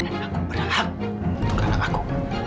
dan aku berhak untuk anak aku